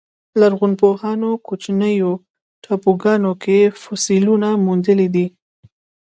لرغونپوهانو کوچنیو ټاپوګانو کې فسیلونه موندلي دي.